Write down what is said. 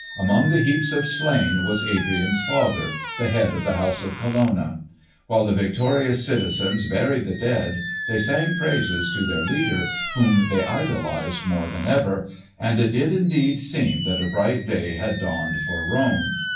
Among the heaps of slain was Adrian's father, the head of the house of Colonna. While the victorious citizens buried the dead, they sang praises to their leader, whom they idolised more than ever. And it did indeed seem that a bright day had dawned for Rome.